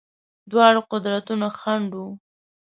دواړه قدرتونه خنډ وه.